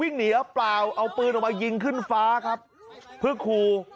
เหนียวเปล่าเอาปืนออกมายิงขึ้นฟ้าครับเพื่อขู่